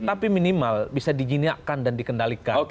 tapi minimal bisa dijinakkan dan dikendalikan